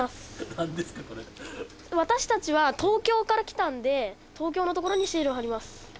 何ですかこれ私たちは東京から来たんで東京のところにシールを貼ります